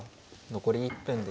残り１分です。